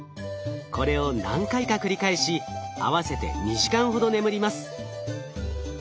これを何回か繰り返し合わせて２時間ほど眠ります。